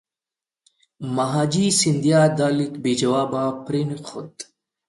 مهاجي سیندیا دا لیک بې جوابه پرېښود.